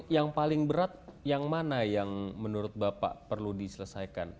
yang paling berat yang mana yang menurut bapak perlu diselesaikan